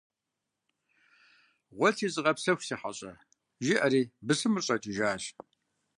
- Гъуэлъи зыгъэпсэху, си хьэщӀэ! - жиӀэри бысымыр щӀэкӀыжащ.